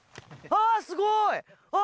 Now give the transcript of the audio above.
あっすごい！